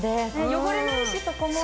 汚れないし底も。